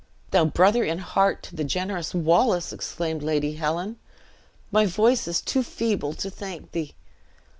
"Thou brother in heart to the generous Wallace!" exclaimed Lady Helen, "my voice is too feeble to thank thee."